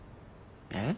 えっ？